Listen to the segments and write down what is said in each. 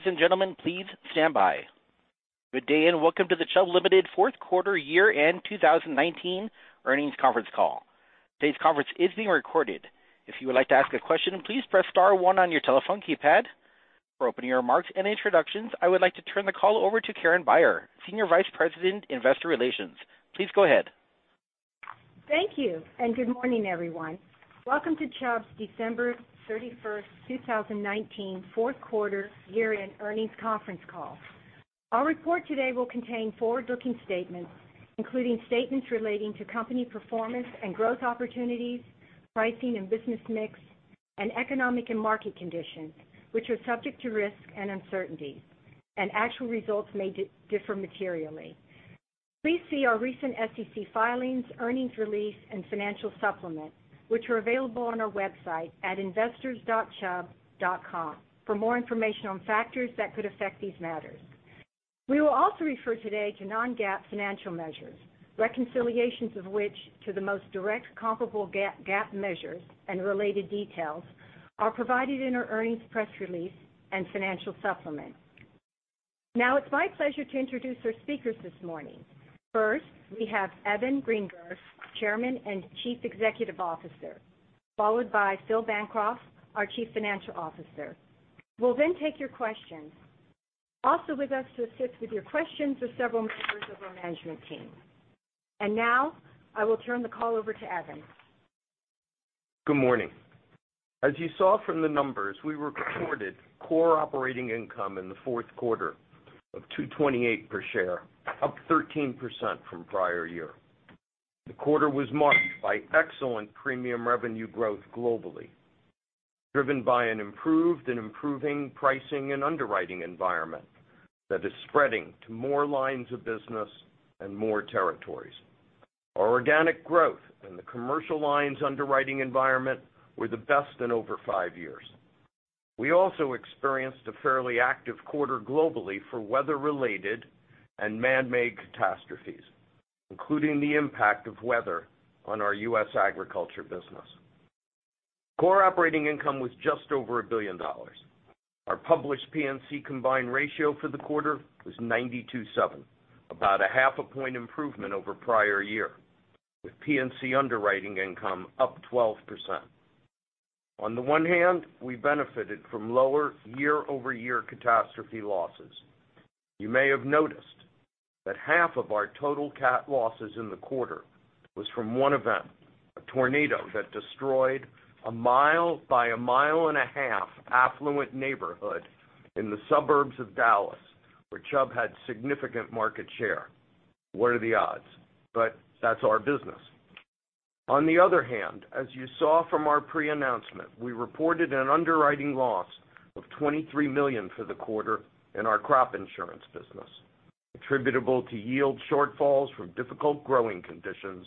Ladies and gentlemen, please stand by. Good day. Welcome to the Chubb Limited Fourth Quarter Year-End 2019 Earnings Conference Call. Today's conference is being recorded. If you would like to ask a question, please press star one on your telephone keypad. For opening remarks and introductions, I would like to turn the call over to Karen Beyer, Senior Vice President, Investor Relations. Please go ahead. Thank you. Good morning, everyone. Welcome to Chubb's December 31st, 2019 fourth quarter year-end earnings conference call. Our report today will contain forward-looking statements, including statements relating to company performance and growth opportunities, pricing and business mix, and economic and market conditions, which are subject to risk and uncertainty, and actual results may differ materially. Please see our recent SEC filings, earnings release, and financial supplement, which are available on our website at investors.chubb.com for more information on factors that could affect these matters. We will also refer today to non-GAAP financial measures, reconciliations of which to the most direct comparable GAAP measures and related details are provided in our earnings press release and financial supplement. Now it's my pleasure to introduce our speakers this morning. First, we have Evan Greenberg, Chairman and Chief Executive Officer, followed by Philip Bancroft, our Chief Financial Officer. We'll then take your questions. Also with us to assist with your questions are several members of our management team. Now I will turn the call over to Evan. Good morning. As you saw from the numbers, we reported core operating income in the fourth quarter of $2.28 per share, up 13% from prior year. The quarter was marked by excellent premium revenue growth globally, driven by an improved and improving pricing and underwriting environment that is spreading to more lines of business and more territories. Our organic growth in the commercial lines underwriting environment were the best in over five years. We also experienced a fairly active quarter globally for weather-related and man-made catastrophes, including the impact of weather on our U.S. agriculture business. Core operating income was just over $1 billion. Our published P&C combined ratio for the quarter was 92.7, about a half a point improvement over prior year, with P&C underwriting income up 12%. On the one hand, we benefited from lower year-over-year catastrophe losses. You may have noticed that half of our total cat losses in the quarter was from one event, a tornado that destroyed a mile by a mile and a half affluent neighborhood in the suburbs of Dallas, where Chubb had significant market share. What are the odds? That's our business. On the other hand, as you saw from our pre-announcement, we reported an underwriting loss of $23 million for the quarter in our crop insurance business, attributable to yield shortfalls from difficult growing conditions,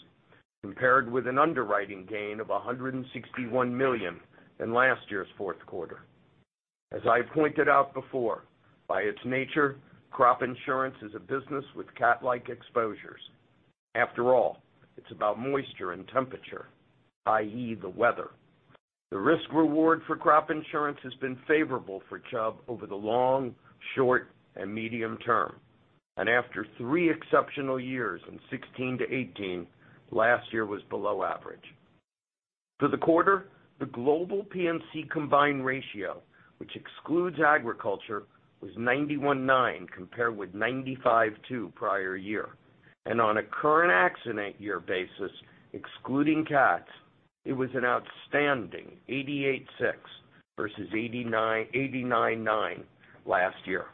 compared with an underwriting gain of $161 million in last year's fourth quarter. As I pointed out before, by its nature, crop insurance is a business with cat-like exposures. After all, it is about moisture and temperature, i.e., the weather. The risk reward for crop insurance has been favorable for Chubb over the long, short, and medium term. After three exceptional years in 2016 to 2018, last year was below average. For the quarter, the global P&C combined ratio, which excludes agriculture, was 91.9 compared with 95.2 prior year. On a current accident year basis, excluding cats, it was an outstanding 88.6 versus 89.9 last year.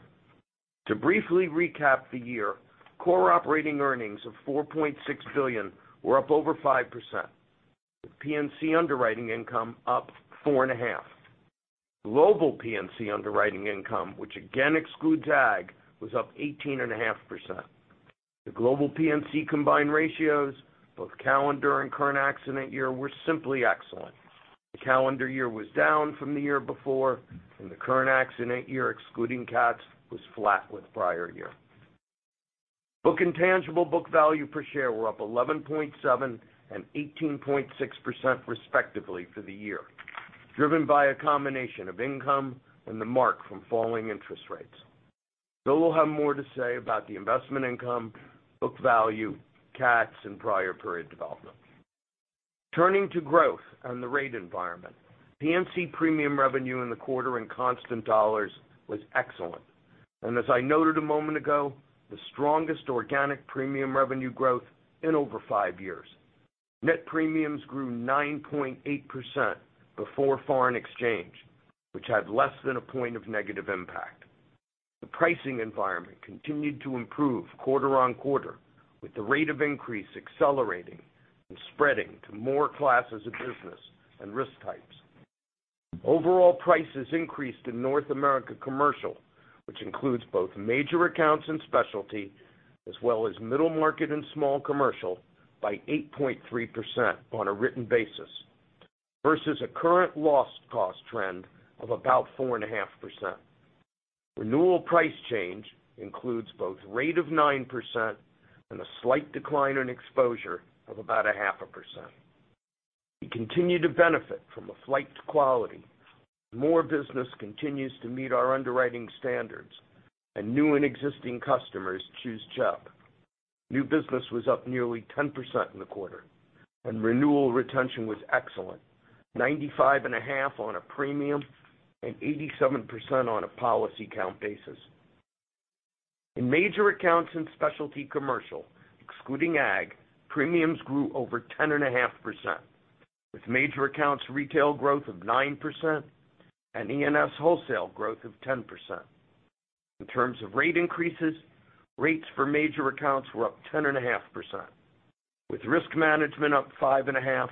To briefly recap the year, core operating earnings of $4.6 billion were up over 5%, with P&C underwriting income up 4.5%. Global P&C underwriting income, which again excludes ag, was up 18.5%. The global P&C combined ratios, both calendar and current accident year, were simply excellent. The calendar year was down from the year before, and the current accident year excluding cats was flat with prior year. Book and tangible book value per share were up 11.7% and 18.6% respectively for the year, driven by a combination of income and the mark from falling interest rates. Phil will have more to say about the investment income, book value, cats, and prior period development. Turning to growth and the rate environment, P&C premium revenue in the quarter in constant dollars was excellent, and as I noted a moment ago, the strongest organic premium revenue growth in over five years. Net premiums grew 9.8% before foreign exchange, which had less than 1 point of negative impact. The pricing environment continued to improve quarter on quarter, with the rate of increase accelerating and spreading to more classes of business and risk types. Overall prices increased in North America Commercial, which includes both major accounts and specialty, as well as middle market and small commercial, by 8.3% on a written basis versus a current loss cost trend of about 4.5%. Renewal price change includes both rate of 9% and a slight decline in exposure of about a half a percent. We continue to benefit from a flight to quality. More business continues to meet our underwriting standards, and new and existing customers choose Chubb. New business was up nearly 10% in the quarter, and renewal retention was excellent, 95.5 on a premium and 87% on a policy count basis. In major accounts in Specialty Commercial, excluding ag, premiums grew over 10.5%, with major accounts retail growth of 9% and E&S wholesale growth of 10%. In terms of rate increases, rates for major accounts were up 10.5%, with risk management up 5.5%,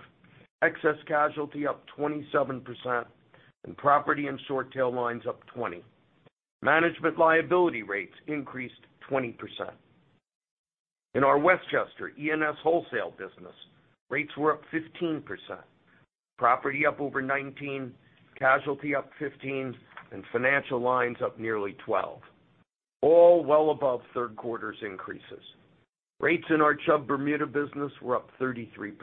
excess casualty up 27%, and property and short tail lines up 20%. Management liability rates increased 20%. In our Westchester E&S wholesale business, rates were up 15%, property up over 19%, casualty up 15%, and financial lines up nearly 12%, all well above third quarter's increases. Rates in our Chubb Bermuda business were up 33%.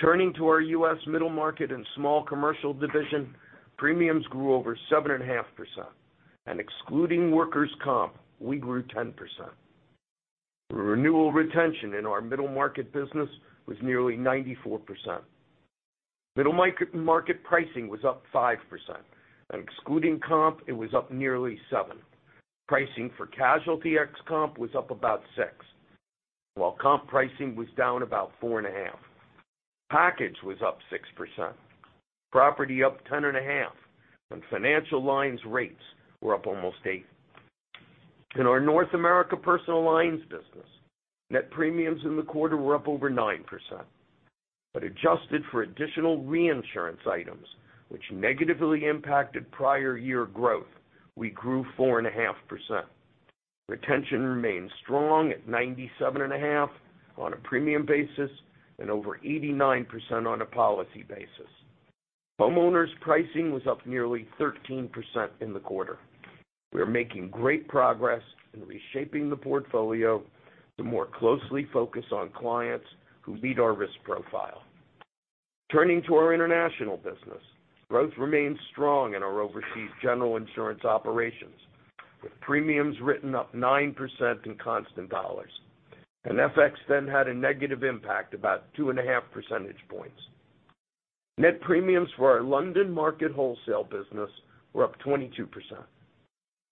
Turning to our U.S. Middle Market and Small Commercial division, premiums grew over 7.5%, and excluding workers' comp, we grew 10%. Renewal retention in our middle market business was nearly 94%. Middle market pricing was up 5%, and excluding comp, it was up nearly 7%. Pricing for casualty ex comp was up about 6%, while comp pricing was down about 4.5%. Package was up 6%, property up 10.5%, and financial lines rates were up almost 8%. In our North America Personal Lines business, net premiums in the quarter were up over 9%, but adjusted for additional reinsurance items, which negatively impacted prior year growth, we grew 4.5%. Retention remains strong at 97.5% on a premium basis and over 89% on a policy basis. Homeowners' pricing was up nearly 13% in the quarter. We are making great progress in reshaping the portfolio to more closely focus on clients who meet our risk profile. Turning to our international business, growth remains strong in our Overseas General Insurance operations, with premiums written up 9% in constant dollars, FX had a negative impact about two and a half percentage points. Net premiums for our London Market wholesale business were up 22%,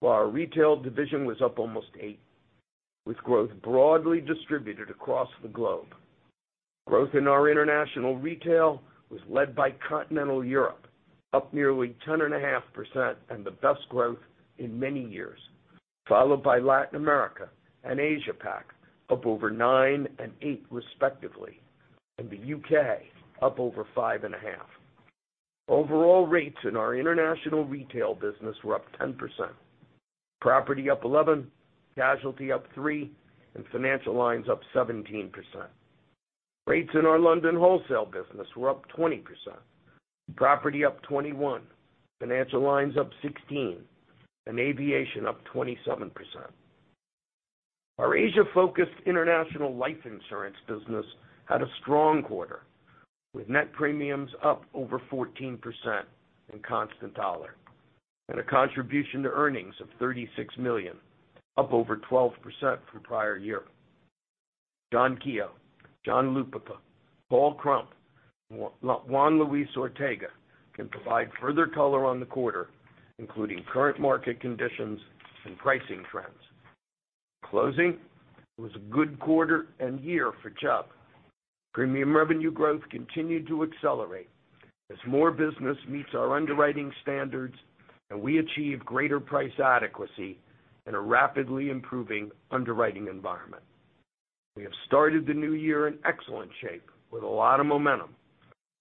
while our retail division was up almost 8%, with growth broadly distributed across the globe. Growth in our international retail was led by continental Europe, up nearly 10.5% and the best growth in many years, followed by Latin America and Asia-Pac, up over 9% and 8% respectively, and the U.K. up over 5.5%. Overall rates in our international retail business were up 10%, property up 11%, casualty up 3%, and financial lines up 17%. Rates in our London Market wholesale business were up 20%, property up 21%, financial lines up 16%, and aviation up 27%. Our Asia-focused international life insurance business had a strong quarter, with net premiums up over 14% in constant dollar and a contribution to earnings of $36 million, up over 12% from prior year. John Keogh, John Lupica, Paul Krump, Juan Luis Ortega can provide further color on the quarter, including current market conditions and pricing trends. In closing, it was a good quarter and year for Chubb. Premium revenue growth continued to accelerate as more business meets our underwriting standards and we achieve greater price adequacy in a rapidly improving underwriting environment. We have started the new year in excellent shape with a lot of momentum.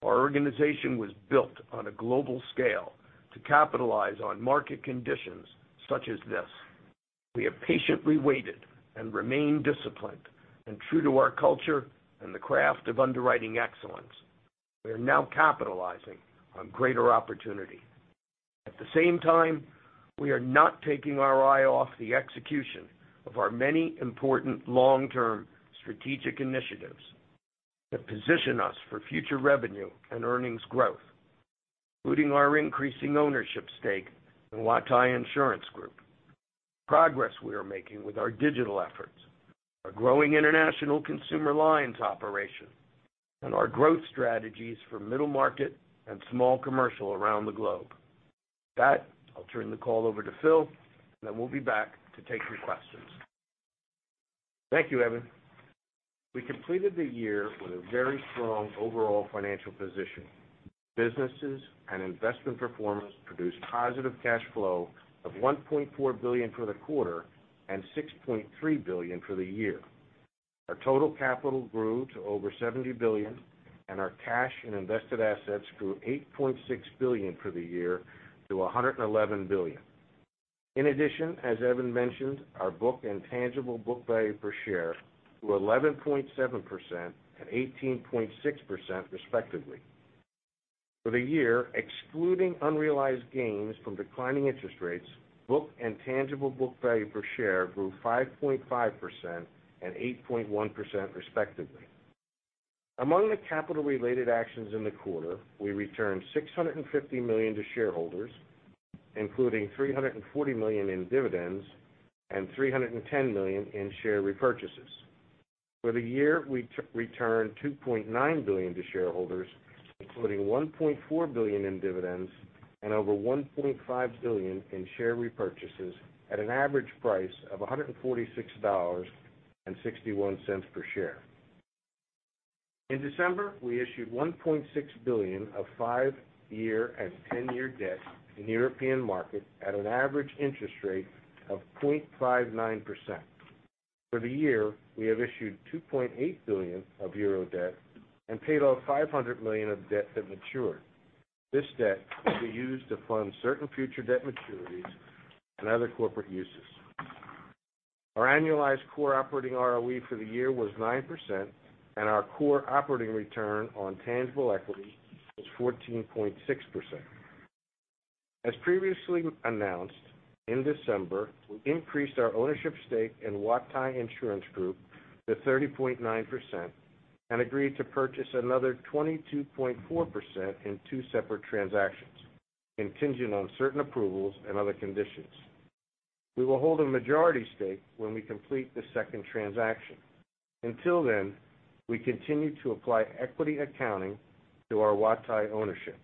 Our organization was built on a global scale to capitalize on market conditions such as this. We have patiently waited and remained disciplined and true to our culture and the craft of underwriting excellence. We are now capitalizing on greater opportunity. At the same time, we are not taking our eye off the execution of our many important long-term strategic initiatives that position us for future revenue and earnings growth, including our increasing ownership stake in Huatai Insurance Group, progress we are making with our digital efforts, our growing international consumer lines operation, and our growth strategies for middle market and Small Commercial around the globe. With that, I'll turn the call over to Phil, then we'll be back to take your questions. Thank you, Evan. We completed the year with a very strong overall financial position. Businesses and investment performance produced positive cash flow of $1.4 billion for the quarter and $6.3 billion for the year. Our total capital grew to over $70 billion, and our cash and invested assets grew $8.6 billion for the year to $111 billion. In addition, as Evan mentioned, our book and tangible book value per share grew 11.7% and 18.6% respectively. For the year, excluding unrealized gains from declining interest rates, book and tangible book value per share grew 5.5% and 8.1% respectively. Among the capital related actions in the quarter, we returned $650 million to shareholders, including $340 million in dividends and $310 million in share repurchases. For the year, we returned $2.9 billion to shareholders, including $1.4 billion in dividends and over $1.5 billion in share repurchases at an average price of $146.61 per share. In December, we issued $1.6 billion of five-year and 10-year debt in the European market at an average interest rate of 0.59%. For the year, we have issued 2.8 billion euro of debt and paid off $500 million of debt that matured. This debt will be used to fund certain future debt maturities and other corporate uses. Our annualized core operating ROE for the year was 9%, and our core operating return on tangible equity was 14.6%. As previously announced, in December, we increased our ownership stake in Huatai Insurance Group to 30.9% and agreed to purchase another 22.4% in two separate transactions, contingent on certain approvals and other conditions. We will hold a majority stake when we complete the second transaction. Until then, we continue to apply equity accounting to our Huatai ownership.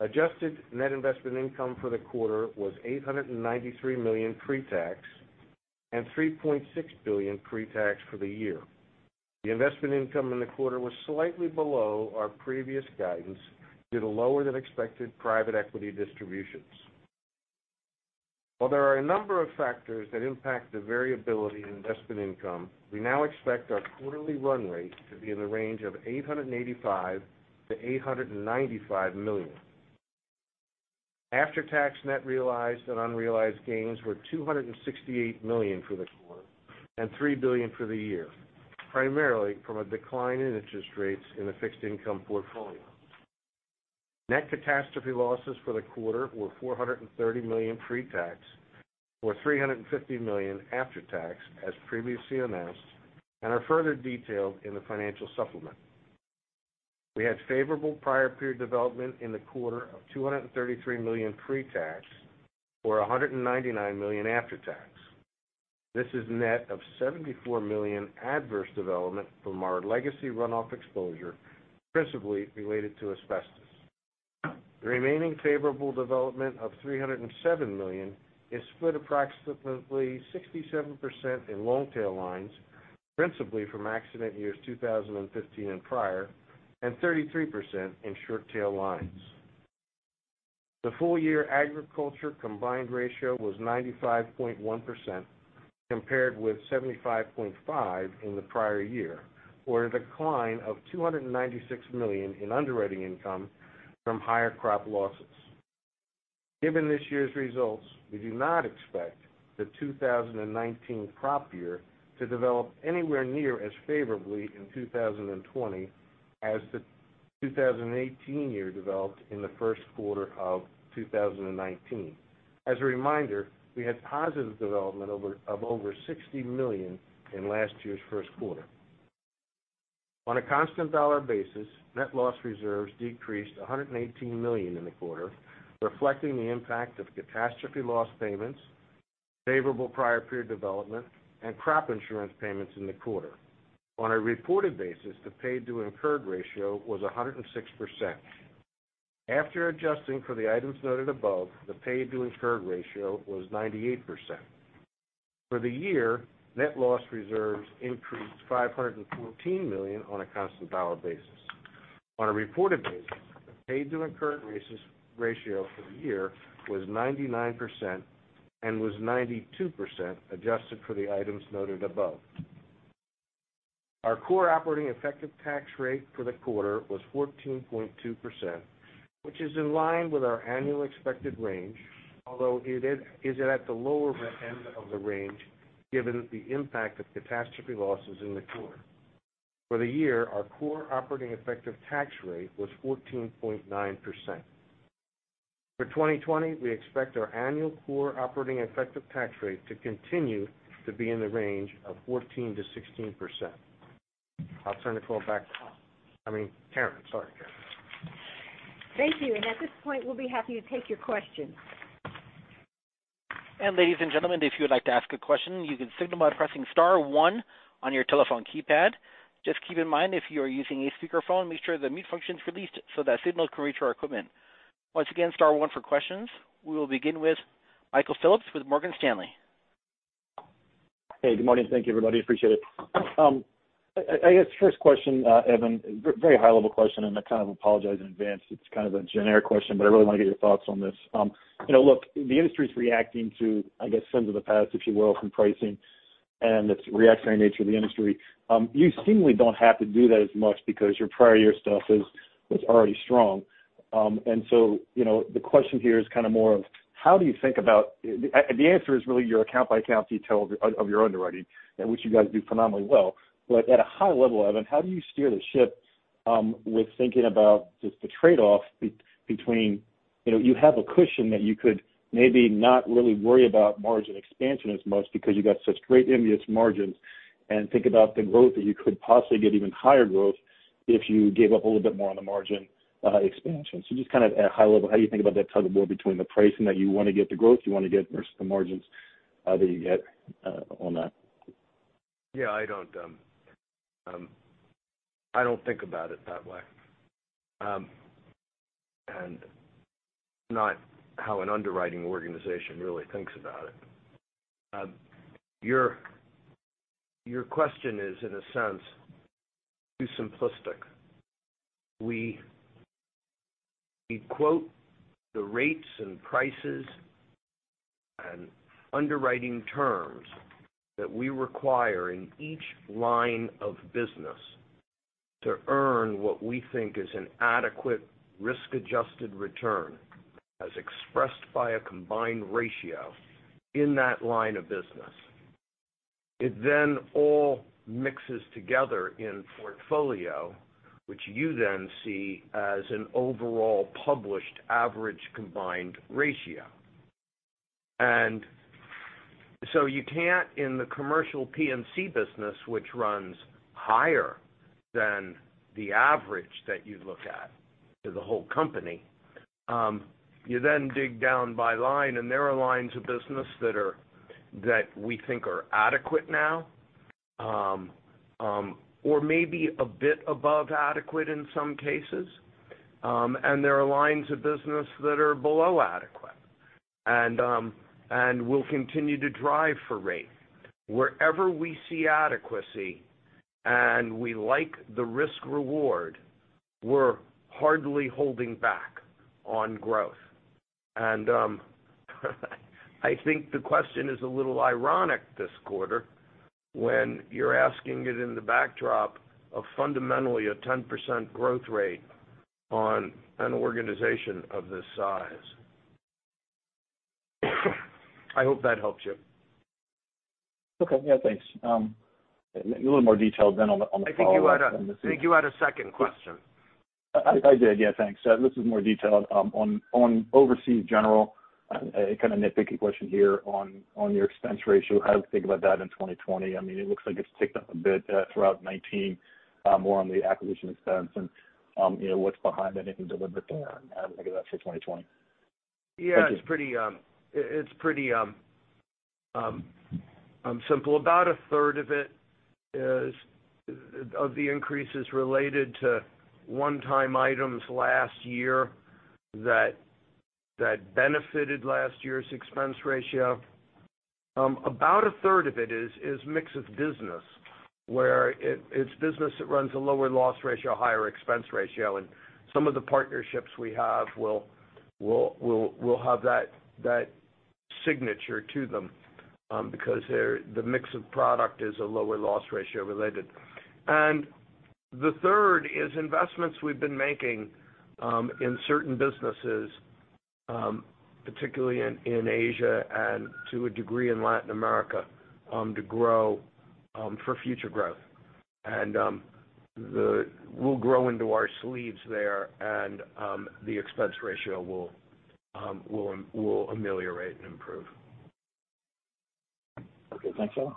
Adjusted net investment income for the quarter was $893 million pre-tax, and $3.6 billion pre-tax for the year. The investment income in the quarter was slightly below our previous guidance due to lower than expected private equity distributions. While there are a number of factors that impact the variability in investment income, we now expect our quarterly run rate to be in the range of $885 million-$895 million. After-tax net realized and unrealized gains were $268 million for the quarter and $3 billion for the year, primarily from a decline in interest rates in the fixed income portfolio. Net catastrophe losses for the quarter were $430 million pre-tax, or $350 million after tax, as previously announced, and are further detailed in the financial supplement. We had favorable prior period development in the quarter of $233 million pre-tax, or $199 million after tax. This is net of $74 million adverse development from our legacy runoff exposure, principally related to asbestos. The remaining favorable development of $307 million is split approximately 67% in long-tail lines, principally from accident years 2015 and prior, and 33% in short tail lines. The full year agriculture combined ratio was 95.1%, compared with 75.5% in the prior year, or a decline of $296 million in underwriting income from higher crop losses. Given this year's results, we do not expect the 2019 crop year to develop anywhere near as favorably in 2020 as the 2018 year developed in the first quarter of 2019. As a reminder, we had positive development of over $60 million in last year's first quarter. On a constant dollar basis, net loss reserves decreased $118 million in the quarter, reflecting the impact of catastrophe loss payments, favorable prior period development, and crop insurance payments in the quarter. On a reported basis, the paid to incurred ratio was 106%. After adjusting for the items noted above, the paid to incurred ratio was 98%. For the year, net loss reserves increased $514 million on a constant dollar basis. On a reported basis, the paid to incurred ratio for the year was 99% and was 92% adjusted for the items noted above. Our core operating effective tax rate for the quarter was 14.2%, which is in line with our annual expected range, although it is at the lower end of the range given the impact of catastrophe losses in the quarter. For the year, our core operating effective tax rate was 14.9%. For 2020, we expect our annual core operating effective tax rate to continue to be in the range of 14%-16%. I'll turn the call back to Karen. Sorry, Karen. Thank you. At this point, we'll be happy to take your questions. Ladies and gentlemen, if you would like to ask a question, you can signal by pressing star one on your telephone keypad. Just keep in mind, if you are using a speakerphone, make sure the mute function is released so that signals can reach our equipment. Once again, star one for questions. We will begin with Mike Phillips with Morgan Stanley. Good morning. Thank you, everybody. Appreciate it. I guess first question, Evan, very high-level question. I apologize in advance. It's a generic question. I really want to get your thoughts on this. Look, the industry's reacting to, I guess, sins of the past, if you will, from pricing. It's reactionary nature of the industry. You seemingly don't have to do that as much because your prior year stuff is already strong. The question here is kind of more of how do you think about The answer is really your account-by-account detail of your underwriting, which you guys do phenomenally well. At a high level, Evan, how do you steer the ship thinking about just the trade-off between, you have a cushion that you could maybe not really worry about margin expansion as much because you got such great ambitious margins. Think about the growth that you could possibly get even higher growth if you gave up a little bit more on the margin expansion. Just at high level, how do you think about that tug of war between the pricing that you want to get, the growth you want to get versus the margins that you get on that? Yeah, I don't think about it that way. Not how an underwriting organization really thinks about it. Your question is, in a sense, too simplistic. We quote the rates and prices and underwriting terms that we require in each line of business to earn what we think is an adequate risk-adjusted return, as expressed by a combined ratio in that line of business. It all mixes together in portfolio, which you then see as an overall published average combined ratio. You can't, in the commercial P&C business, which runs higher than the average that you look at for the whole company, you then dig down by line. There are lines of business that we think are adequate now, or maybe a bit above adequate in some cases. There are lines of business that are below adequate. We'll continue to drive for rate. Wherever we see adequacy and we like the risk reward, we're hardly holding back on growth. I think the question is a little ironic this quarter when you're asking it in the backdrop of fundamentally a 10% growth rate on an organization of this size. I hope that helps you. Okay. Yeah, thanks. A little more detailed on the follow-up- I think you had a second question. I did, yeah. Thanks. This is more detailed. On Overseas General, a kind of nitpicky question here on your expense ratio. How do you think about that in 2020? It looks like it's ticked up a bit throughout 2019, more on the acquisition expense and what's behind anything delivered there, and how do you think of that for 2020? Thank you. Yeah, it's pretty simple. About a third of it is of the increases related to one-time items last year that benefited last year's expense ratio. About a third of it is mix of business, where it's business that runs a lower loss ratio, higher expense ratio, and some of the partnerships we have will have that signature to them, because the mix of product is a lower loss ratio related. The third is investments we've been making in certain businesses, particularly in Asia and to a degree in Latin America, for future growth. We'll grow into our sleeves there and the expense ratio will ameliorate and improve. Okay, thanks a lot.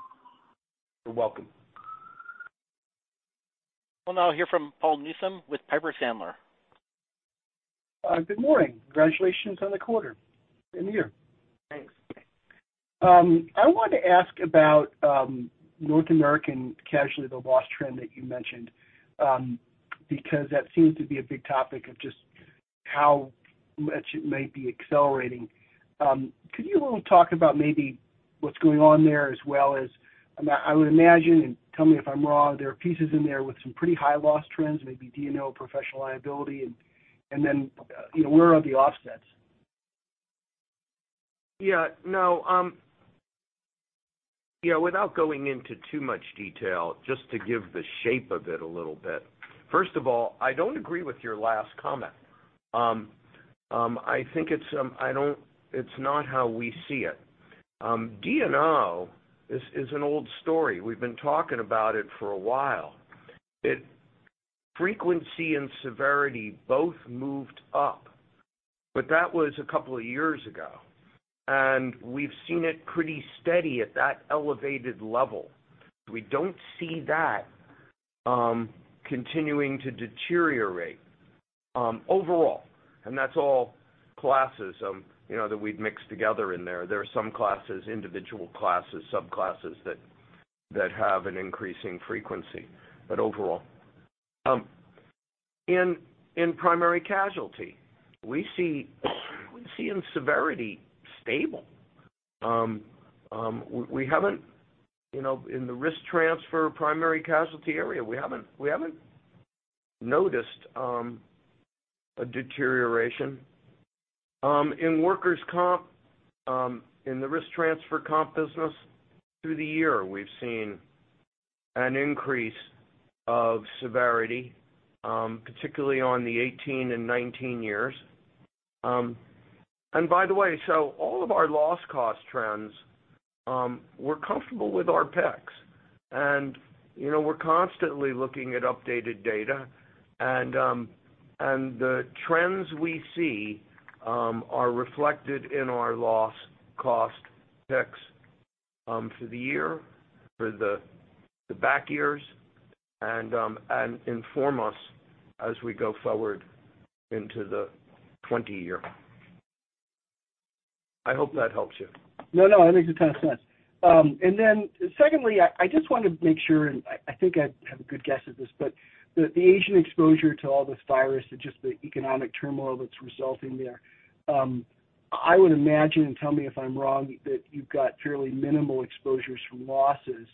You're welcome. We'll now hear from Paul Newsome with Piper Sandler. Good morning. Congratulations on the quarter and the year. Thanks. I wanted to ask about North American casualty, the loss trend that you mentioned, because that seems to be a big topic of just how much it might be accelerating. Could you talk a little about maybe what's going on there as well as, I would imagine, and tell me if I'm wrong, there are pieces in there with some pretty high loss trends, maybe D&O professional liability, and then where are the offsets? Yeah. Without going into too much detail, just to give the shape of it a little bit. First of all, I don't agree with your last comment. It's not how we see it. D&O is an old story. We've been talking about it for a while. Frequency and severity both moved up, but that was a couple of years ago, and we've seen it pretty steady at that elevated level. We don't see that continuing to deteriorate overall, and that's all classes that we've mixed together in there. There are some classes, individual classes, subclasses that have an increasing frequency, but overall. In primary casualty, we're seeing severity stable. In the risk transfer primary casualty area, we haven't noticed a deterioration. In workers' comp, in the risk transfer comp business, through the year, we've seen an increase of severity, particularly on the 2018 and 2019 years. By the way, all of our loss cost trends, we're comfortable with our picks. We're constantly looking at updated data, and the trends we see are reflected in our loss cost picks for the year, for the back years, and inform us as we go forward into the 2020 year. I hope that helps you. No, that makes a ton of sense. Secondly, I just want to make sure, I think I have a good guess at this, but the Asian exposure to all this virus and just the economic turmoil that's resulting there, I would imagine, and tell me if I'm wrong, that you've got fairly minimal exposures from losses,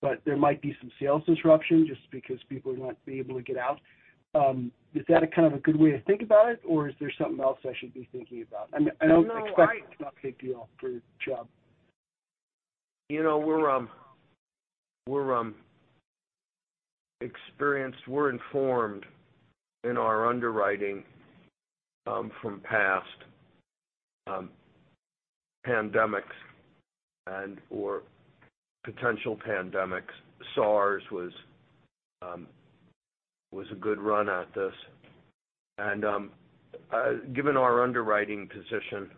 but there might be some sales disruption just because people are not being able to get out. Is that a kind of a good way to think about it? Or is there something else I should be thinking about? I don't expect it's not a big deal for Chubb. We're experienced, we're informed in our underwriting from past pandemics and/or potential pandemics. SARS was a good run at this. Given our underwriting position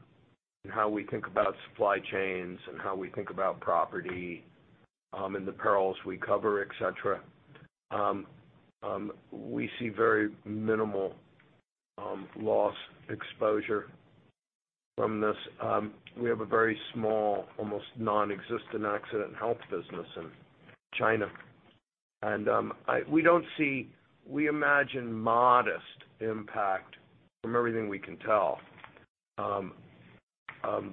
and how we think about supply chains and how we think about property and the perils we cover, et cetera, we see very minimal loss exposure from this. We have a very small, almost nonexistent accident health business in China. We imagine modest impact from everything we can tell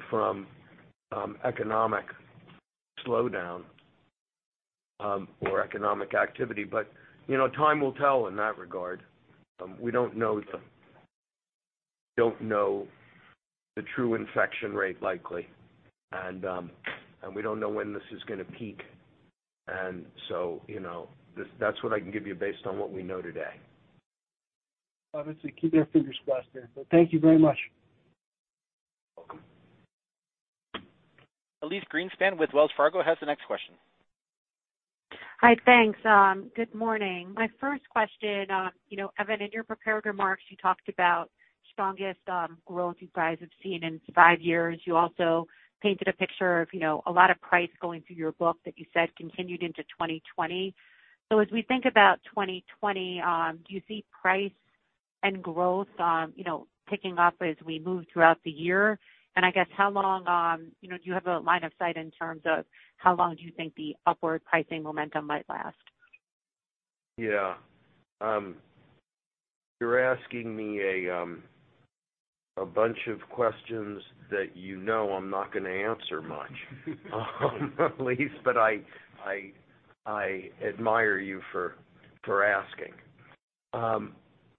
from economic slowdown or economic activity. Time will tell in that regard. We don't know the true infection rate likely, and we don't know when this is going to peak, and so that's what I can give you based on what we know today. Obviously, keep our fingers crossed there. Thank you very much. You're welcome. Elyse Greenspan with Wells Fargo has the next question. Hi, thanks. Good morning. My first question, Evan, in your prepared remarks, you talked about strongest growth you guys have seen in five years. You also painted a picture of a lot of price going through your book that you said continued into 2020. As we think about 2020, do you see price and growth picking up as we move throughout the year? I guess how long do you have a line of sight in terms of how long do you think the upward pricing momentum might last? Yeah. You're asking me a bunch of questions that you know I'm not going to answer much, Elyse, but I admire you for asking.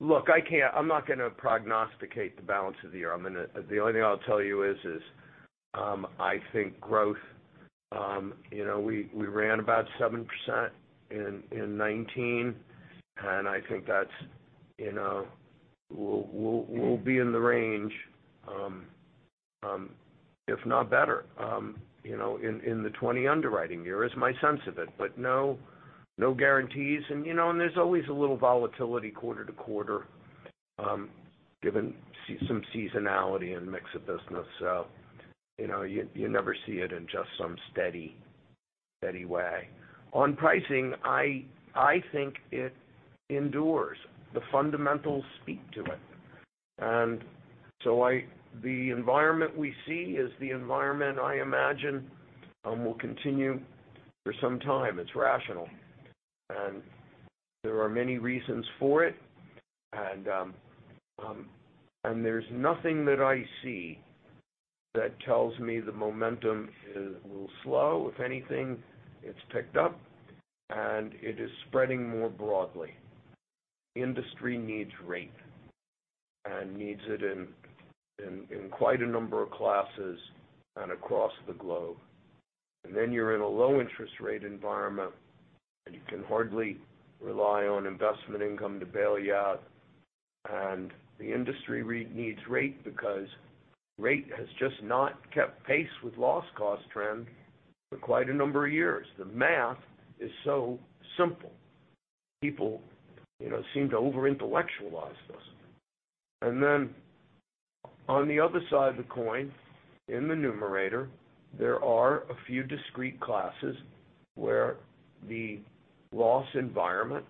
Look, I'm not going to prognosticate the balance of the year. The only thing I'll tell you is I think growth, we ran about 7% in 2019, I think we'll be in the range if not better in the 2020 underwriting year is my sense of it. No guarantees, there's always a little volatility quarter to quarter given some seasonality and mix of business. You never see it in just some steady way. On pricing, I think it endures. The fundamentals speak to it. The environment we see is the environment I imagine will continue for some time. It's rational. There are many reasons for it, there's nothing that I see that tells me the momentum will slow. If anything, it's picked up, it is spreading more broadly. Industry needs rate, needs it in quite a number of classes and across the globe. You're in a low-interest rate environment, you can hardly rely on investment income to bail you out. The industry needs rate because rate has just not kept pace with loss cost trend for quite a number of years. The math is so simple. People seem to over intellectualize this. On the other side of the coin, in the numerator, there are a few discrete classes where the loss environment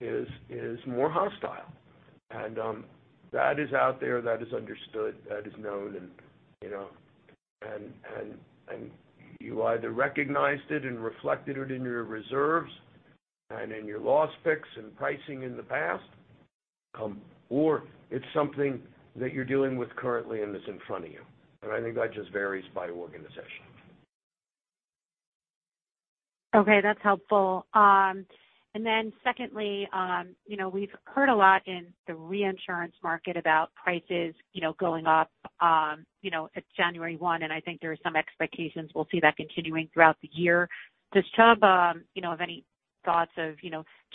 is more hostile. That is out there, that is understood, that is known, you either recognized it and reflected it in your reserves and in your loss picks and pricing in the past, or it's something that you're dealing with currently and is in front of you. I think that just varies by organization. Okay, that's helpful. Secondly, we've heard a lot in the reinsurance market about prices going up at January 1, and I think there are some expectations we'll see that continuing throughout the year. Does Chubb have thoughts of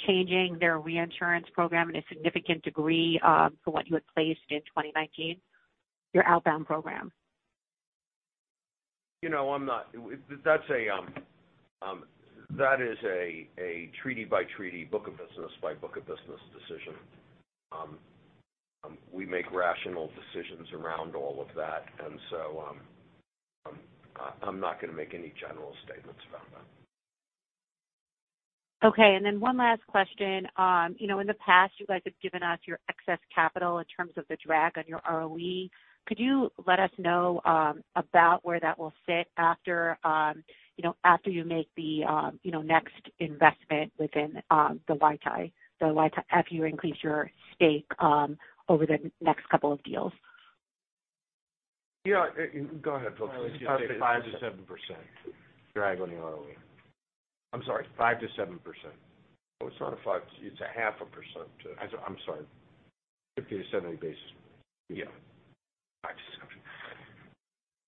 changing their reinsurance program in a significant degree to what you had placed in 2019, your outbound program? That is a treaty-by-treaty, book of business-by-book of business decision. We make rational decisions around all of that. I'm not going to make any general statements about that. Okay, one last question. In the past, you guys have given us your excess capital in terms of the drag on your ROE. Could you let us know about where that will sit after you make the next investment within the Huatai, after you increase your stake over the next couple of deals? Go ahead, Phil. I would just say 5%-7% drag on the ROE. I'm sorry, 5%-7%. Oh, it's not a five, it's a half a percent. I'm sorry. 50-70 basis points. Yeah.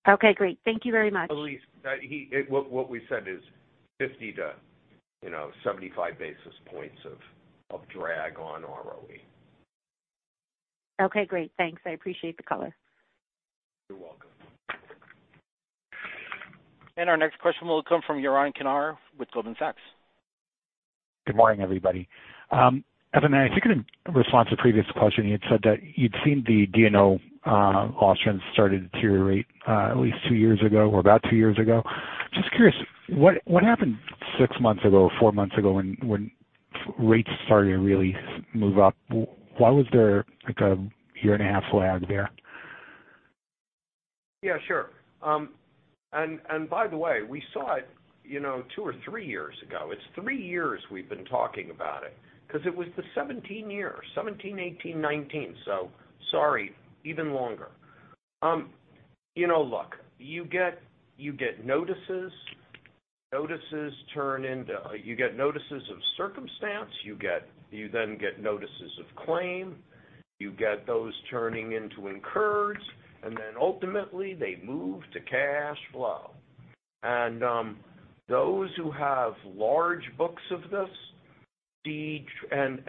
5-7. Okay, great. Thank you very much. Elyse, what we said is 50-75 basis points of drag on ROE. Okay, great. Thanks. I appreciate the color. You're welcome. Our next question will come from Yaron Kinar with Goldman Sachs. Good morning, everybody. Evan, I think in response to a previous question, you had said that you'd seen the D&O loss trends started to deteriorate at least two years ago or about two years ago. Just curious, what happened six months ago, four months ago, when rates started to really move up? Why was there a year-and-a-half lag there? Yeah, sure. By the way, we saw it two or three years ago. It's three years we've been talking about it, because it was the 2017 year. 2017, 2018, 2019. Sorry, even longer. Look, you get notices of circumstance. You then get notices of claim. You get those turning into incurs, and then ultimately they move to cash flow. Those who have large books of this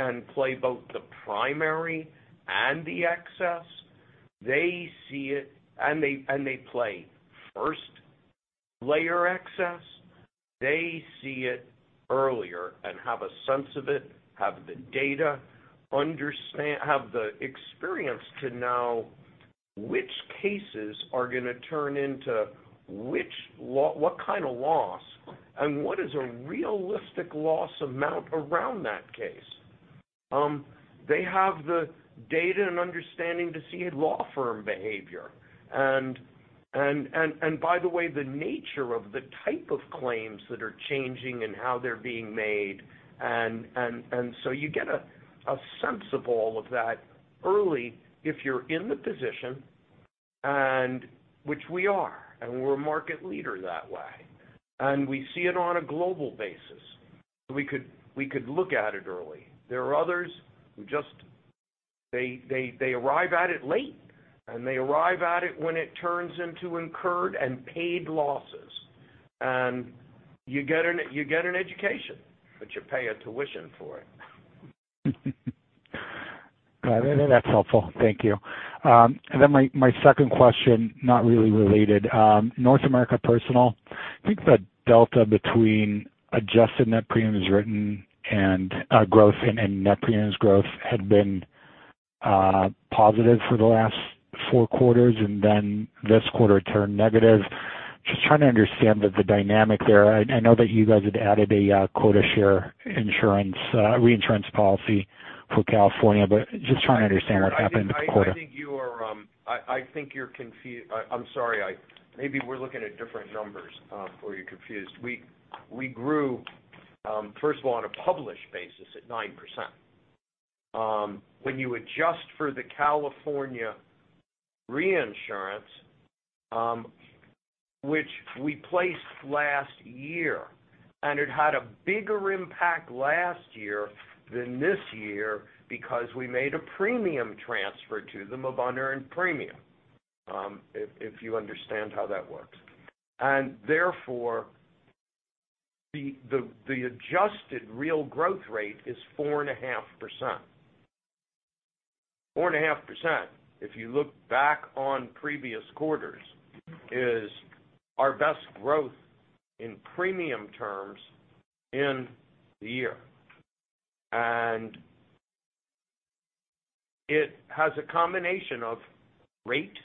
and play both the primary and the excess, and they play first layer excess, they see it earlier and have a sense of it, have the data, have the experience to know which cases are going to turn into what kind of loss, and what is a realistic loss amount around that case. They have the data and understanding to see a law firm behavior. By the way, the nature of the type of claims that are changing and how they're being made. You get a sense of all of that early if you're in the position, which we are, and we're a market leader that way. We see it on a global basis. We could look at it early. There are others who just arrive at it late, and they arrive at it when it turns into incurred and paid losses. You get an education, but you pay a tuition for it. Got it. That's helpful. Thank you. My second question, not really related. North America Personal, I think the delta between adjusted net premiums growth and net premiums growth had been positive for the last four quarters, and then this quarter it turned negative. Just trying to understand the dynamic there. I know that you guys had added a quota share reinsurance policy for California, but just trying to understand what happened in the quarter. I'm sorry. Maybe we're looking at different numbers or you're confused. We grew, first of all, on a published basis at 9%. When you adjust for the California reinsurance which we placed last year, and it had a bigger impact last year than this year because we made a premium transfer to them of unearned premium, if you understand how that works. Therefore, the adjusted real growth rate is 4.5%. 4.5%, if you look back on previous quarters, is our best growth in premium terms in the year. It has a combination of rate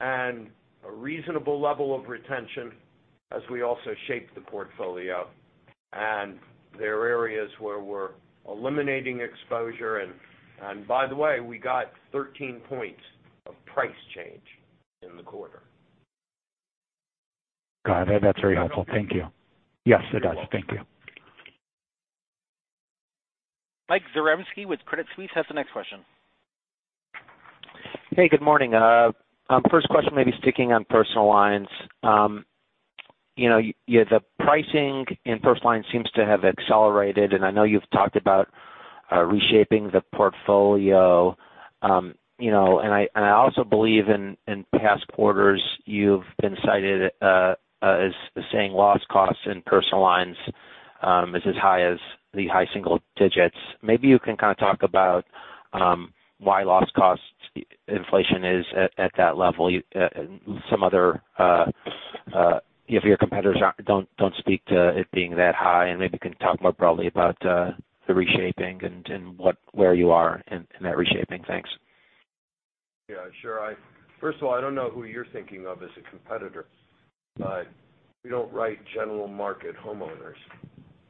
and a reasonable level of retention as we also shape the portfolio, and there are areas where we're eliminating exposure, and by the way, we got 13 points of price change in the quarter. Got it. That's very helpful. Thank you. You're welcome. Yes, it does. Thank you. Mike Zaremski with Credit Suisse has the next question. Good morning. First question, maybe sticking on personal lines. The pricing in personal lines seems to have accelerated. I know you've talked about reshaping the portfolio. I also believe in past quarters you've been cited as saying loss costs in personal lines is as high as the high single digits. Maybe you can kind of talk about why loss costs inflation is at that level. Some other of your competitors don't speak to it being that high. Maybe you can talk more broadly about the reshaping and where you are in that reshaping. Thanks. Sure. First of all, I don't know who you're thinking of as a competitor. We don't write general market homeowners.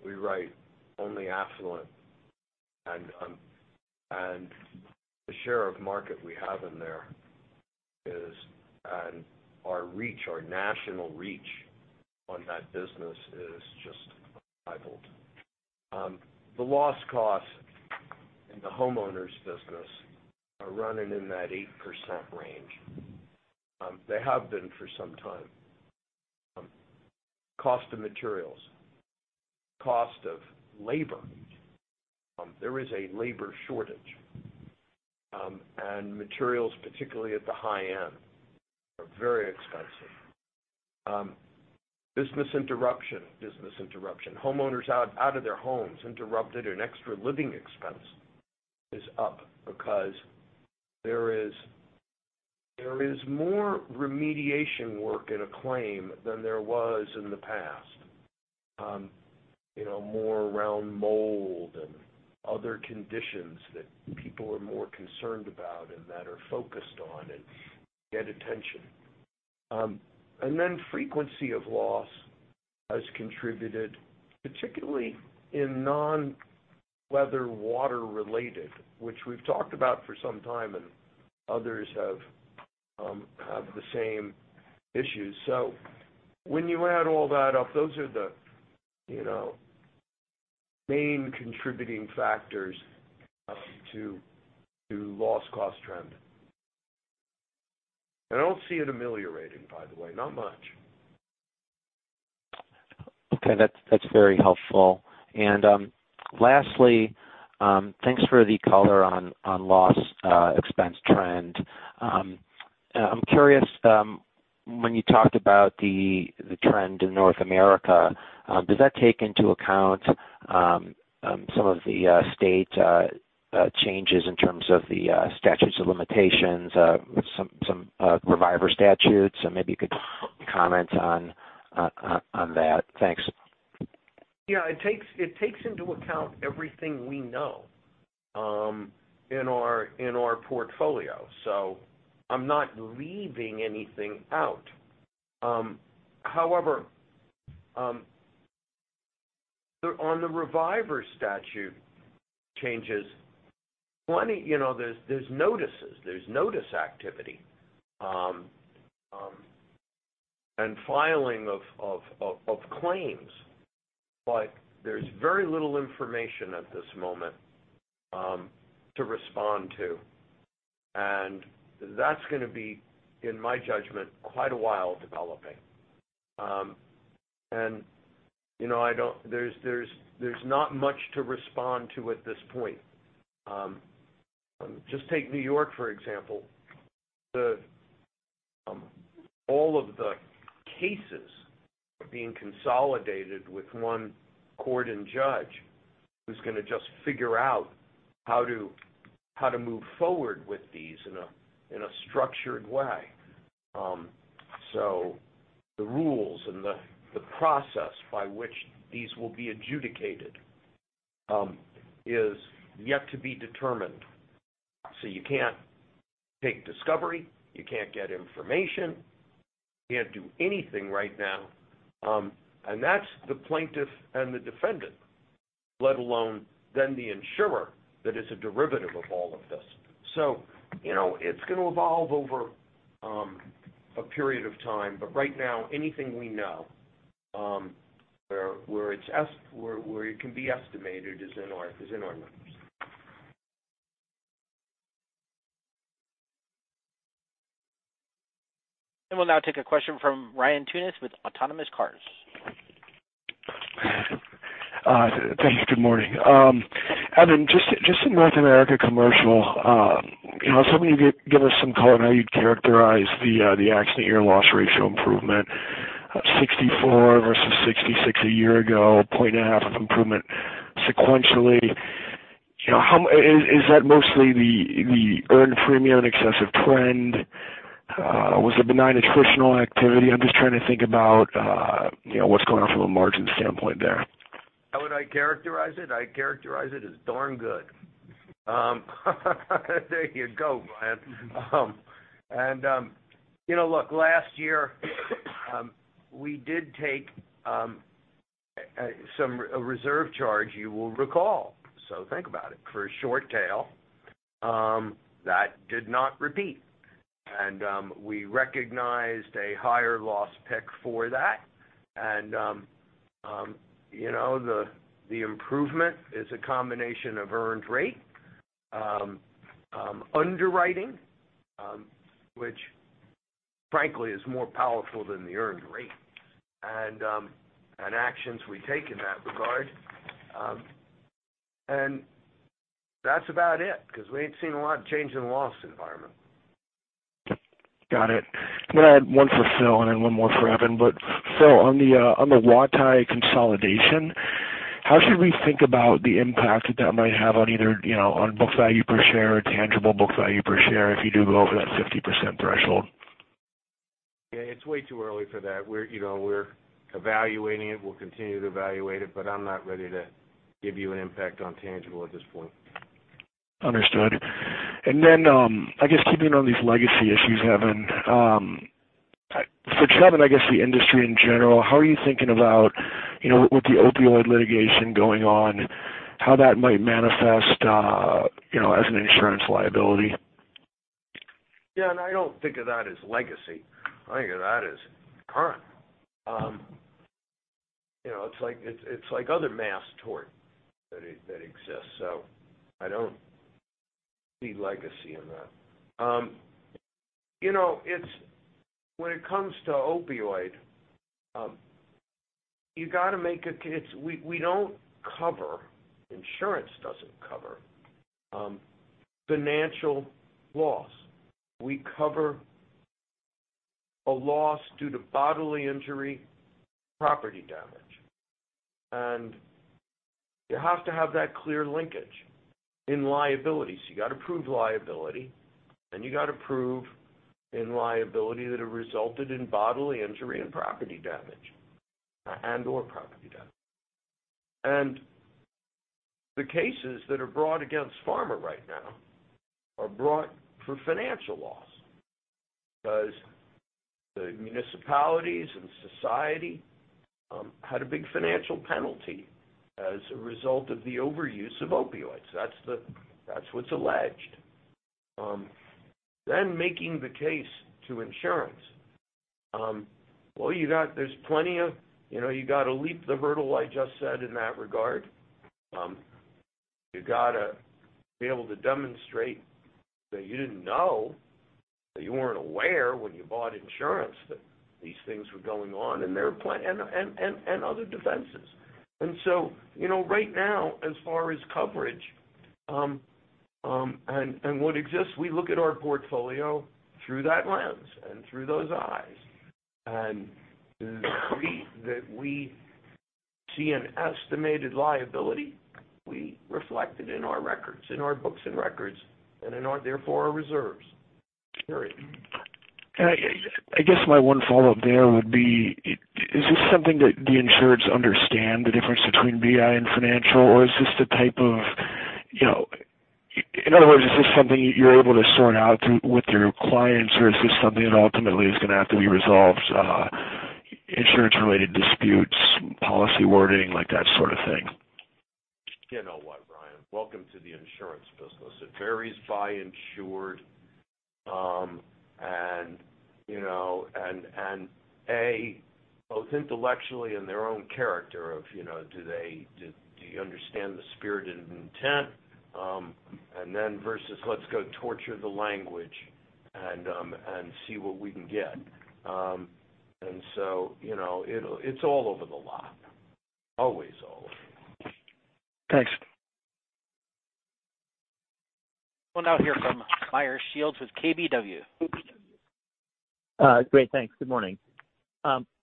We write only affluent. The share of market we have in there is, and our reach, our national reach on that business is just unrivaled. The loss cost in the homeowners business are running in that 8% range. They have been for some time. Cost of materials, cost of labor. There is a labor shortage. Materials, particularly at the high end, are very expensive. Business interruption. Homeowners out of their homes, interrupted. Extra living expense is up because there is more remediation work in a claim than there was in the past. More around mold and other conditions that people are more concerned about and that are focused on and get attention. Frequency of loss has contributed, particularly in non-weather, water related, which we've talked about for some time, and others have the same issues. When you add all that up, those are the main contributing factors to loss cost trend. I don't see it ameliorating, by the way, not much. Okay. That's very helpful. Lastly, thanks for the color on loss expense trend. I'm curious, when you talked about the trend in North America, does that take into account some of the state changes in terms of the statutes of limitations, some reviver statutes? Maybe you could comment on that. Thanks. It takes into account everything we know in our portfolio. I'm not leaving anything out. However, on the reviver statute changes, there's notices, there's notice activity, and filing of claims. There's very little information at this moment to respond to, and that's going to be, in my judgment, quite a while developing. There's not much to respond to at this point. Take New York, for example. All of the cases are being consolidated with one court and judge who's going to just figure out how to move forward with these in a structured way. The rules and the process by which these will be adjudicated is yet to be determined. You can't take discovery, you can't get information, you can't do anything right now. That's the plaintiff and the defendant, let alone then the insurer that is a derivative of all of this. It's going to evolve over a period of time. Right now, anything we know, where it can be estimated is in our numbers. We'll now take a question from Ryan Tunis with Autonomous Research. Thanks. Good morning. Evan, in North America Commercial, I was hoping you'd give us some color on how you'd characterize the accident year loss ratio improvement, 64 versus 66 a year ago, 1.5 of improvement sequentially. Is that mostly the earned premium in excess of trend? Was it benign attritional activity? I'm trying to think about what's going on from a margin standpoint there. How would I characterize it? I characterize it as darn good. There you go, Ryan. Look, last year, we did take a reserve charge, you will recall. Think about it, for a short tail that did not repeat. We recognized a higher loss pick for that. The improvement is a combination of earned rate, underwriting which frankly, is more powerful than the earned rate and actions we take in that regard. That's about it, because we ain't seen a lot of change in the loss environment. Got it. I'm going to add one for Phil and then one more for Evan. Phil, on the Huatai consolidation, how should we think about the impact that that might have on either on book value per share or tangible book value per share if you do go over that 50% threshold? Yeah, it's way too early for that. We're evaluating it. We'll continue to evaluate it, but I'm not ready to give you an impact on tangible at this point. Understood. Then, I guess keeping on these legacy issues, Evan, for Chubb and I guess the industry in general, how are you thinking about with the opioid litigation going on, how that might manifest as an insurance liability? Yeah, I don't think of that as legacy. I think of that as current. It's like other mass tort that exists, I don't see legacy in that. When it comes to opioid, we don't cover, insurance doesn't cover financial loss. We cover a loss due to bodily injury, property damage, and you have to have that clear linkage in liability. You've got to prove liability, then you got to prove in liability that it resulted in bodily injury and/or property damage. The cases that are brought against pharma right now are brought for financial loss because the municipalities and society had a big financial penalty as a result of the overuse of opioids. That's what's alleged. Making the case to insurance. Well, you've got to leap the hurdle I just said in that regard. You got to be able to demonstrate that you didn't know, that you weren't aware when you bought insurance, that these things were going on in their plan and other defenses. Right now, as far as coverage, and what exists, we look at our portfolio through that lens and through those eyes. To the degree that we see an estimated liability, we reflect it in our books and records and in therefore our reserves. Period. I guess my one follow-up there would be, is this something that the insureds understand the difference between BI and financial? Is this the type of In other words, is this something you're able to sort out with your clients, or is this something that ultimately is going to have to be resolved, insurance-related disputes, policy wording, like that sort of thing? You know what, Brian? Welcome to the insurance business. It varies by insured, A, both intellectually and their own character of do you understand the spirit and intent, then versus let's go torture the language and see what we can get. It's all over the lot. Always all over the lot. Thanks. We'll now hear from Meyer Shields with KBW. Great, thanks. Good morning.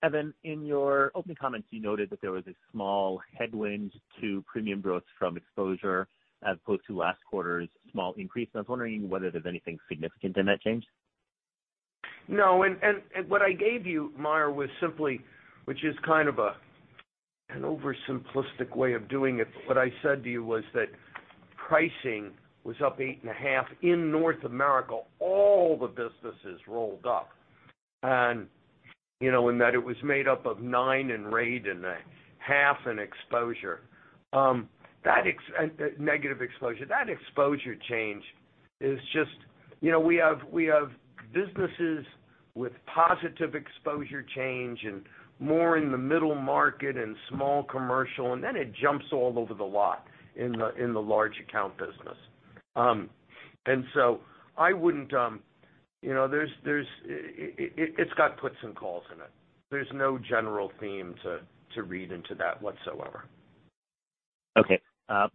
Evan, in your opening comments, you noted that there was a small headwind to premium growth from exposure as opposed to last quarter's small increase, and I was wondering whether there's anything significant in that change. No. What I gave you, Meyer, was simply, which is kind of an oversimplistic way of doing it, but what I said to you was that pricing was up 8.5% in North America, all the businesses rolled up. In that it was made up of 9% in rate and 0.5% in negative exposure. That exposure change is just we have businesses with positive exposure change and more in the middle market and small commercial, and then it jumps all over the lot in the large account business. It's got puts and calls in it. There's no general theme to read into that whatsoever. Okay.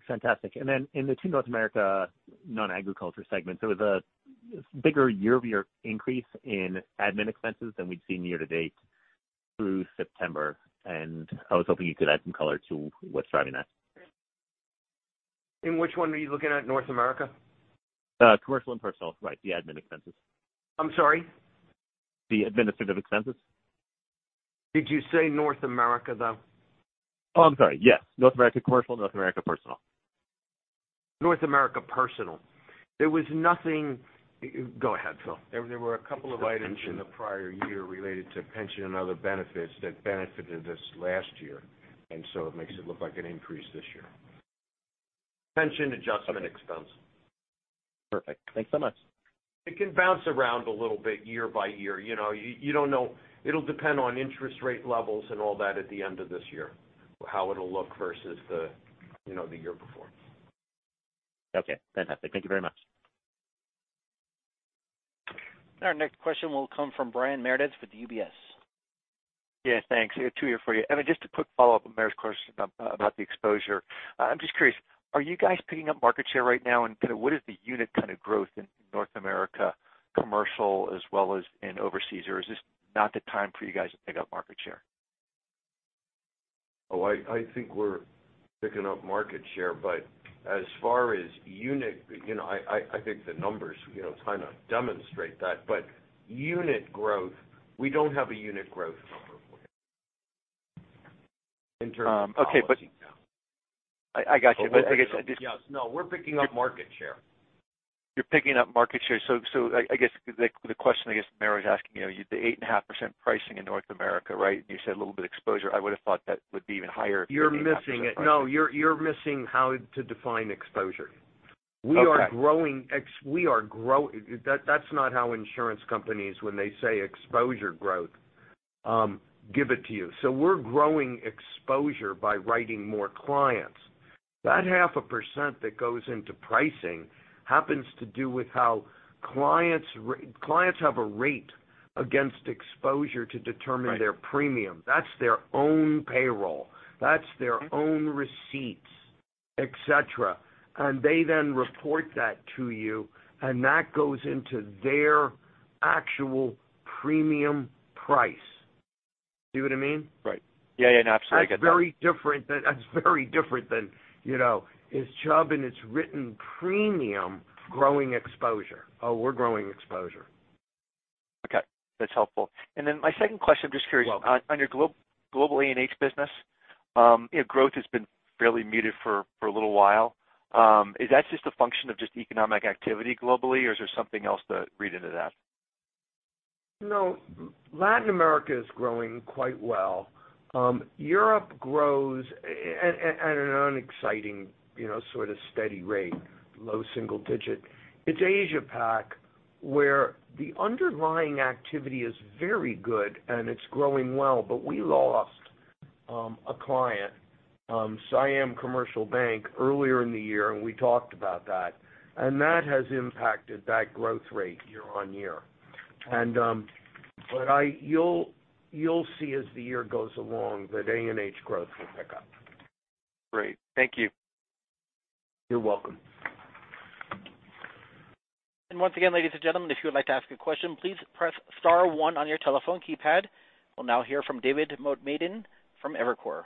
Fantastic. Then in the 2 North America non-agriculture segments, there was a bigger year-over-year increase in admin expenses than we'd seen year to date through September, and I was hoping you could add some color to what's driving that. In which one were you looking at North America? Commercial and Personal. Right, the admin expenses. I'm sorry? The administrative expenses. Did you say North America, though? Oh, I'm sorry. Yes. North America Commercial, North America Personal. North America Personal. There was nothing. Go ahead, Phil. There were a couple of items in the prior year related to pension and other benefits that benefited us last year, and so it makes it look like an increase this year. Pension adjustment expense. Perfect. Thanks so much. It can bounce around a little bit year by year. You don't know. It'll depend on interest rate levels and all that at the end of this year, how it'll look versus the year before. Okay, fantastic. Thank you very much. Our next question will come from Brian Meredith with UBS. Yeah, thanks. Two here for you. Evan, just a quick follow-up on Meyer's question about the exposure. I'm just curious, are you guys picking up market share right now and kind of what is the unit kind of growth in North America Commercial as well as in Overseas? Or is this not the time for you guys to pick up market share? Oh, I think we're picking up market share, but as far as unit, I think the numbers kind of demonstrate that. Unit growth, we don't have a unit growth number for you in terms of. Okay. Yeah. I got you. Yes. No, we're picking up market share. You're picking up market share. I guess the question I guess Meyer was asking, the 8.5% pricing in North America, right? You said a little bit of exposure. I would've thought that would be even higher. You're missing it. No, you're missing how to define exposure. Okay. We are growing. That's not how insurance companies when they say exposure growth, give it to you. We're growing exposure by writing more clients. That 0.5% that goes into pricing happens to do with how clients have a rate against exposure to determine their premium. That's their own payroll. That's their own receipts, et cetera. They then report that to you, and that goes into their actual premium price. See what I mean? Right. Yeah. Absolutely. I get that. That's very different than, is Chubb in its written premium growing exposure? Oh, we're growing exposure. Okay. That's helpful. My second question, I'm just curious. On your global A&H business, growth has been fairly muted for a little while. Is that just a function of just economic activity globally, or is there something else to read into that? No. Latin America is growing quite well. Europe grows at an unexciting sort of steady rate, low single digit. It is Asia Pac, where the underlying activity is very good and it is growing well, but we lost a client, Siam Commercial Bank, earlier in the year, and we talked about that. That has impacted that growth rate year-on-year. You will see as the year goes along that A&H growth will pick up. Great. Thank you. You are welcome. Once again, ladies and gentlemen, if you would like to ask a question, please press star one on your telephone keypad. We will now hear from David Motemaden from Evercore.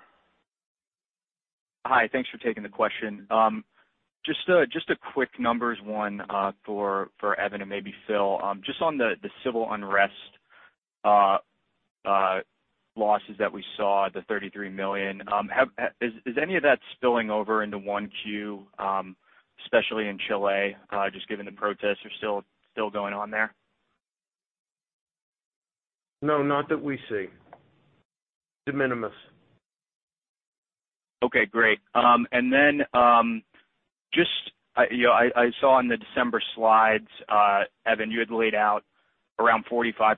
Hi. Thanks for taking the question. Just a quick numbers one for Evan and maybe Phil. Just on the civil unrest losses that we saw, the $33 million, is any of that spilling over into 1Q, especially in Chile, just given the protests are still going on there? No, not that we see. De minimis. Okay, great. Then, I saw in the December slides, Evan, you had laid out around 45%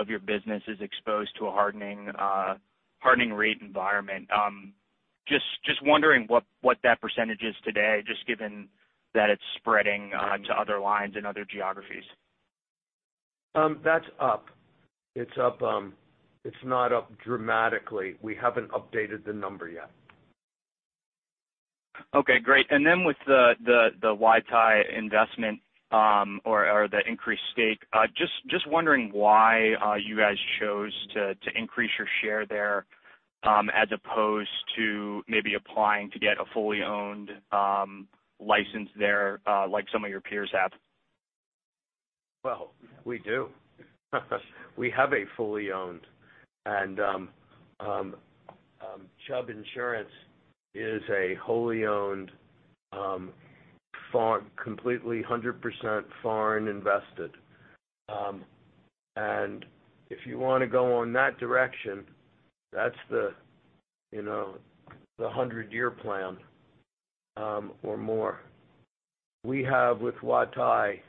of your business is exposed to a hardening rate environment. Just wondering what that percentage is today, just given that it's spreading to other lines and other geographies. That's up. It's up. It's not up dramatically. We haven't updated the number yet. Okay, great. With the Huatai investment, or the increased stake, just wondering why you guys chose to increase your share there, as opposed to maybe applying to get a fully owned license there, like some of your peers have. Well, we do. We have a fully owned, Chubb Insurance is a wholly owned, completely 100% foreign invested. If you want to go on that direction, that's the 100-year plan or more. We have with Huatai,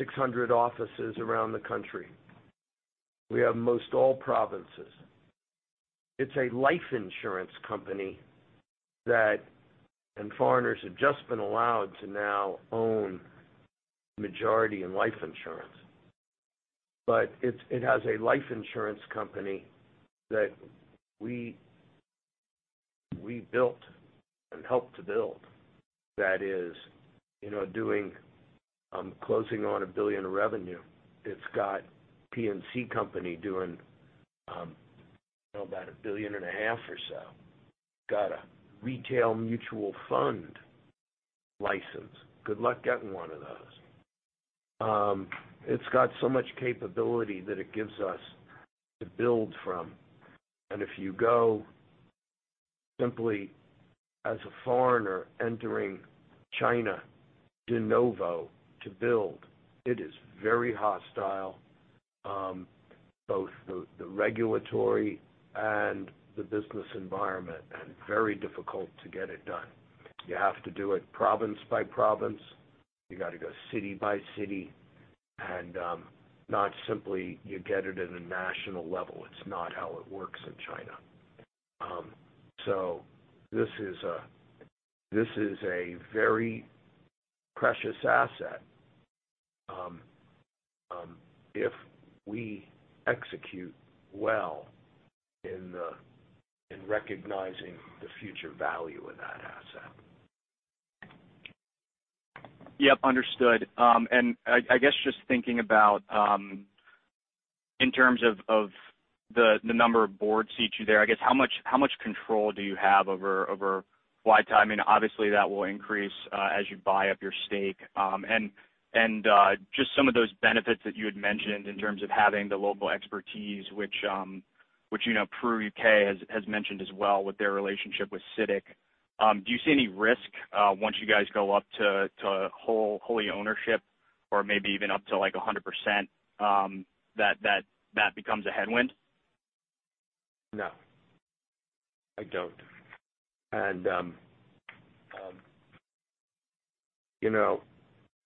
600 offices around the country. We have most all provinces. It's a life insurance company that foreigners have just been allowed to now own majority in life insurance. It has a life insurance company that we built and helped to build, that is doing closing on $1 billion in revenue. It's got P&C company doing about $1.5 billion or so. Got a retail mutual fund license. Good luck getting one of those. It's got so much capability that it gives us to build from. If you go simply as a foreigner entering China de novo to build, it is very hostile, both the regulatory and the business environment, and very difficult to get it done. You have to do it province by province. You got to go city by city, not simply you get it at a national level. It's not how it works in China. This is a very precious asset if we execute well in recognizing the future value in that asset. Yep, understood. I guess just thinking about in terms of the number of board seats you there, I guess how much control do you have over Flywire? Obviously that will increase as you buy up your stake. Just some of those benefits that you had mentioned in terms of having the local expertise, which PruUK has mentioned as well with their relationship with CITIC. Do you see any risk once you guys go up to wholly ownership or maybe even up to 100%, that becomes a headwind? No, I don't.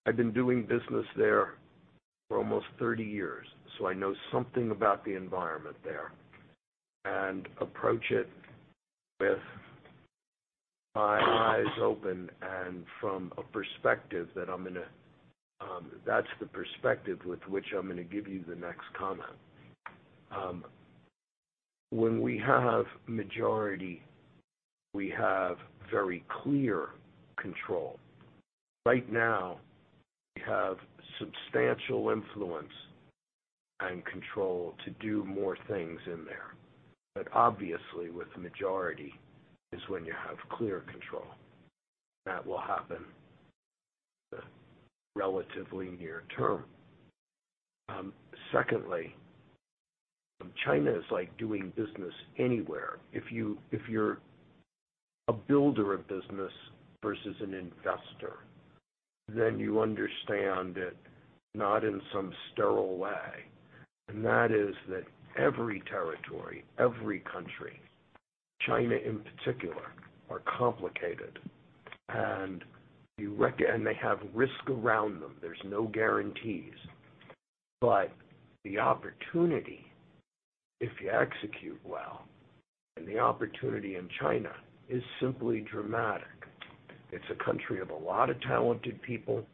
I've been doing business there for almost 30 years, so I know something about the environment there, and approach it with my eyes open and from a perspective that's the perspective with which I'm going to give you the next comment. When we have majority, we have very clear control. Right now, we have substantial influence and control to do more things in there. Obviously with majority is when you have clear control. That will happen relatively near-term. Secondly, China is like doing business anywhere. If you're a builder of business versus an investor, then you understand that not in some sterile way, and that is that every territory, every country, China in particular, are complicated. They have risk around them. There's no guarantees. The opportunity, if you execute well, and the opportunity in China is simply dramatic. It's a country of a lot of talented people.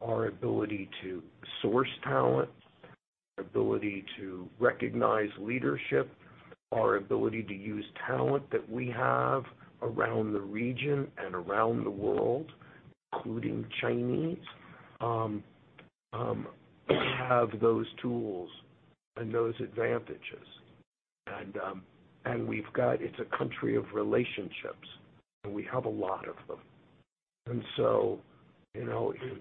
Our ability to source talent, our ability to recognize leadership, our ability to use talent that we have around the region and around the world, including Chinese, have those tools and those advantages. It's a country of relationships, and we have a lot of them.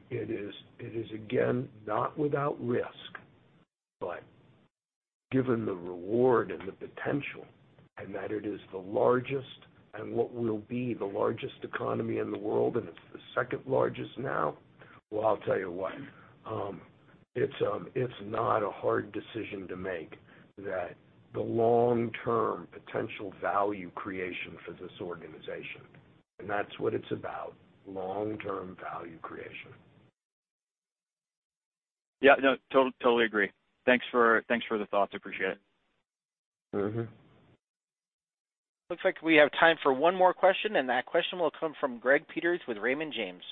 It is, again, not without risk, but given the reward and the potential, and that it is the largest and what will be the largest economy in the world, and it's the second largest now, well, I'll tell you what, it's not a hard decision to make that the long-term potential value creation for this organization. That's what it's about, long-term value creation. Yeah. No, totally agree. Thanks for the thoughts. Appreciate it. Looks like we have time for one more question, and that question will come from Greg Peters with Raymond James.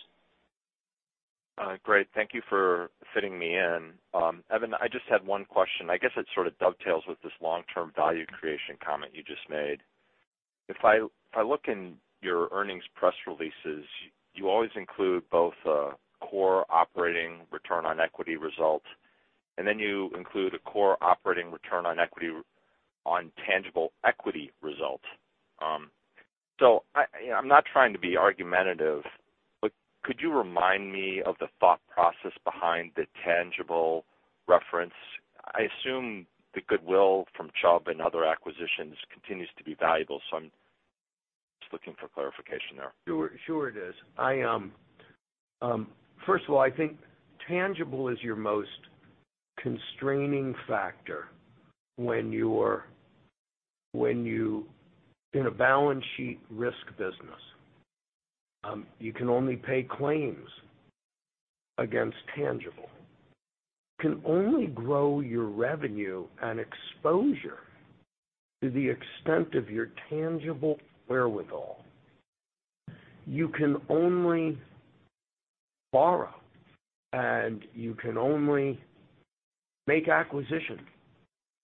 Great. Thank you for fitting me in. Evan, I just had one question. I guess it sort of dovetails with this long-term value creation comment you just made. If I look in your earnings press releases, you always include both core operating return on equity results, and then you include a core operating return on tangible equity results. I'm not trying to be argumentative, but could you remind me of the thought process behind the tangible reference? I assume the goodwill from Chubb and other acquisitions continues to be valuable, I'm just looking for clarification there. Sure it is. First of all, I think tangible is your most constraining factor when you're in a balance sheet risk business. You can only pay claims against tangible. You can only grow your revenue and exposure to the extent of your tangible wherewithal. You can only borrow, and you can only make acquisition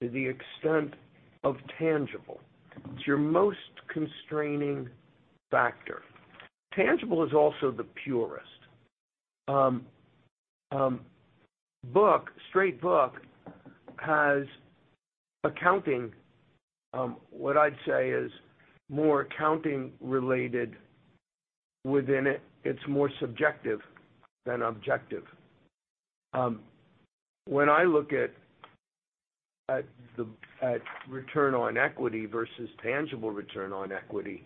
to the extent of tangible. It's your most constraining factor. Tangible is also the purest. Straight book has accounting, what I'd say is more accounting related within it. It's more subjective than objective. When I look at return on equity versus tangible return on equity,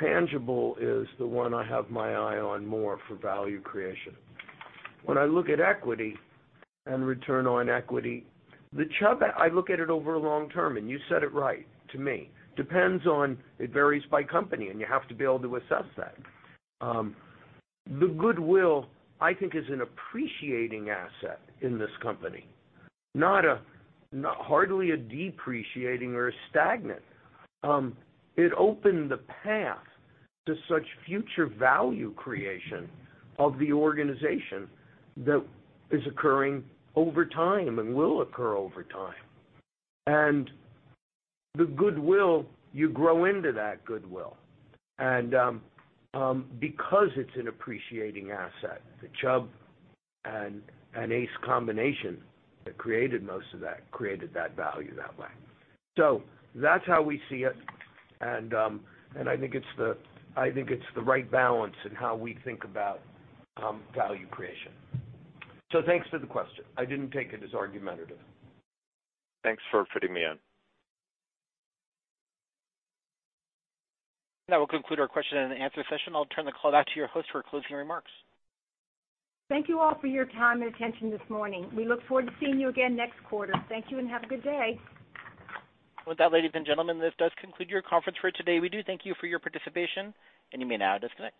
tangible is the one I have my eye on more for value creation. When I look at equity and return on equity, the Chubb, I look at it over long term, and you said it right to me. It varies by company, and you have to be able to assess that. The goodwill, I think, is an appreciating asset in this company, hardly a depreciating or a stagnant. It opened the path to such future value creation of the organization that is occurring over time and will occur over time. The goodwill, you grow into that goodwill. Because it's an appreciating asset, the Chubb and ACE combination that created most of that, created that value that way. That's how we see it, and I think it's the right balance in how we think about value creation. Thanks for the question. I didn't take it as argumentative. Thanks for fitting me in. That will conclude our question and answer session. I will turn the call back to your host for closing remarks. Thank you all for your time and attention this morning. We look forward to seeing you again next quarter. Thank you and have a good day. With that, ladies and gentlemen, this does conclude your conference for today. We do thank you for your participation, and you may now disconnect.